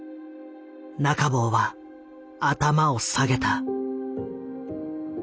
中坊は頭を下げた。